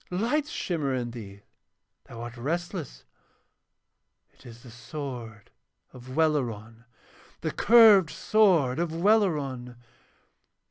Lights shimmer in thee, thou art restless. It is the sword of Welleran, the curved sword of Welleran!'